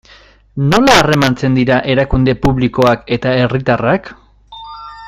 Nola harremantzen dira erakunde publikoak eta herritarrak?